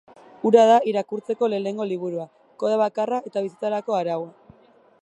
Hura da irakurtzeko lehenengo liburua, kode bakarra eta bizitzarako araua.